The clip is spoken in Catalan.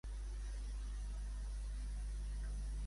A qui va denunciar Aser?